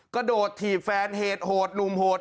กระโดดถีบแฟนเหตุโหดหนุ่มโหด